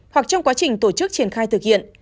hoặc trong quá trình tổ chức triển khai thực hiện